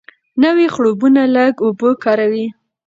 نوې خړوبونه لږه اوبه کاروي.